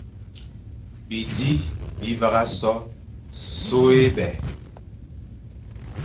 Bizi bi vagha so sô é bè,